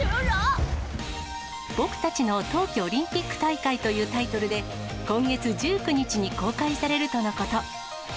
僕たちの冬季オリンピック大会というタイトルで、今月１９日に公開されるとのこと。